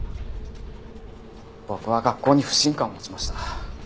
僕は学校に不信感を持ちました。